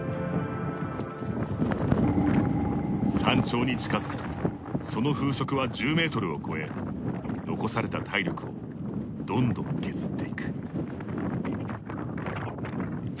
山頂に近づくとその風速は１０ｍを超え残された体力をどんどん削っていく。